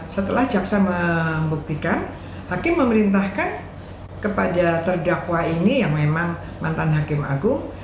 setelah jaksa membuktikan hakim memerintahkan kepada terdakwa ini yang memang mantan hakim agung